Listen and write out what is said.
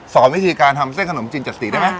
วิธีการทำเส้นขนมจีน๗สีได้ไหม